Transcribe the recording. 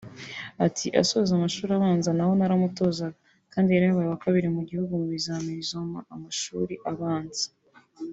Ati” Asoza amashuri abanza naho naramutozaga kandi yari yabaye uwa Kabiri mu gihugu mu bizamini bizoma amashuri abanza